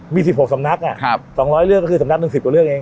มีสิบหกสำนักอ่ะครับสองร้อยเรื่องก็คือสำนักหนึ่งสิบตัวเรื่องเอง